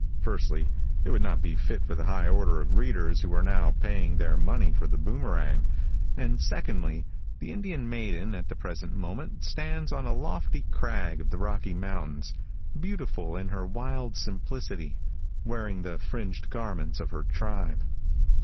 Firstly, it would not be fit for the high order of readers who are now paying their money for The Boomerang; and secondly, the Indian maiden at the present moment stands on a lofty crag of the Rocky mountains, beautiful in her wild simplicity, wearing the fringed garments of her tribe.